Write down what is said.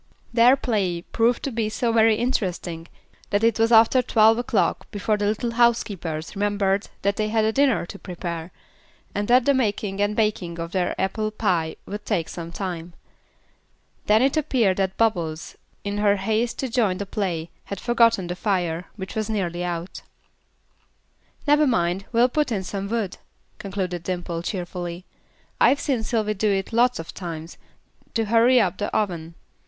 Their play proved to be so very interesting that it was after twelve o'clock before the little housekeepers remembered that they had a dinner to prepare, and that the making and baking of their apple pie would take some time. Then it appeared that Bubbles, in her haste to join the play, had forgotten the fire, which was nearly out. "Never mind, we'll put in some wood," concluded Dimple, cheerfully. "I've seen Sylvy do it lots of times, to hurry up the oven.